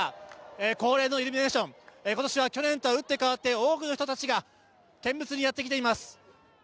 恒例のイルミネーション、今年は去年と打って変わって多くの人たちが見物にやってきています。